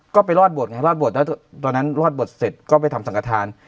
ก็ไปรอดโบสถ์ตอนนั้นรอดโบสถ์เสร็จก็ไปทำสังกฐาน